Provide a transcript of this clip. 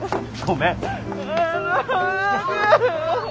ごめんよ。